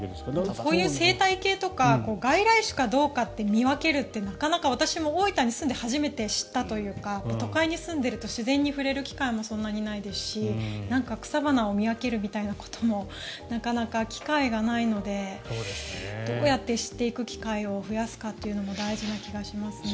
こういう生態系とか外来種かどうかを見分けるってなかなか私も大分に住んで初めて知ったというか都会に住んでいると自然に触れる機会もそんなにないですし草花を見分けるみたいなこともなかなか機会がないのでどうやって知っていく機会を増やすかというのも大事な気がしますね。